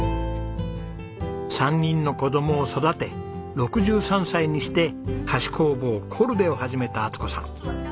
３人の子どもを育て６３歳にして菓子工房コルデを始めた充子さん。